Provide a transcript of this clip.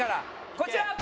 こちら！